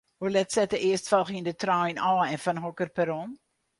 Hoe let set de earstfolgjende trein ôf en fan hokker perron?